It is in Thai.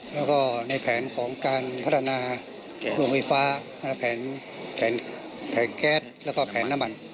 แล้วก็ในแผนของการพัฒนาโรงไฟฟ้าแผนแก๊สแล้วก็แผนน้ำมัน